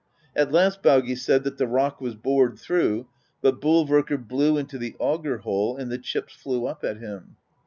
At last Baugi said that the rock was bored through, but Bolverkr blew into the auger hole, and the chips flew up at him.